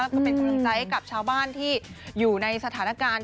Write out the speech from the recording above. ก็เป็นกำลังใจให้กับชาวบ้านที่อยู่ในสถานการณ์